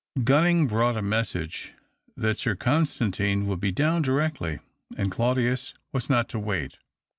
Gunning brought a message that Sir Con stantine would be down directly, and Claudius was not to wait.